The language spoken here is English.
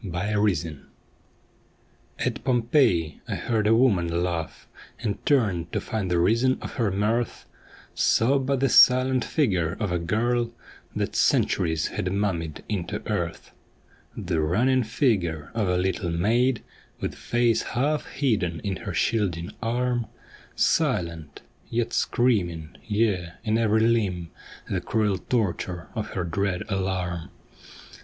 AT POMPEII At Pompeii I heard a woman laugh, And turned to find the reason of her mirth, Saw but tlie silent figure of a girl That centuries had mummied into earth : The running figure of a little maid With face half hidden in her shielding arm, Silent, yet screaming, yea, in ev'ry limb, The cruel torture of her dread alarm.